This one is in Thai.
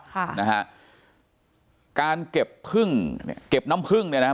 ค่ะนะฮะการเก็บพึ่งเนี่ยเก็บน้ำพึ่งเนี่ยนะฮะ